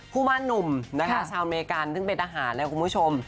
ผู้มั่นหนุ่มนะคะชาวอเมริกานึกเป็นอาหารแล้วคุณผู้ชม